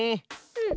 うん。